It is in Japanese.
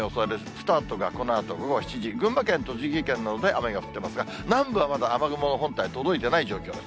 スタートがこのあと午後７時、群馬県、栃木県などで雨が降ってますが、南部はまだ雨雲の本体が届いていない状況。